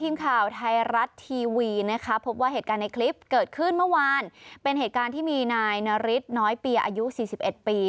มีนฤทธิ์น้อยปีอายุ๔๑ปี